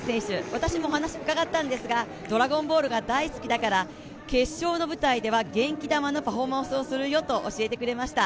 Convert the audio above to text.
私もお話をうかがったんですが、「ドラゴンボール」が大好きだから決勝の舞台では元気玉のパフォーマンスをするよと教えてくれました。